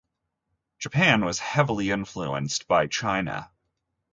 Japan was heavily influenced by China.